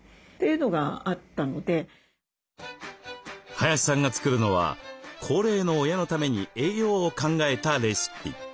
林さんが作るのは高齢の親のために栄養を考えたレシピ。